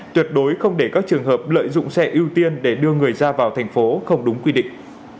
tuyệt đối không để các trường hợp lợi dụng xe ưu tiên để đưa người ra vào thành phố không đúng quy định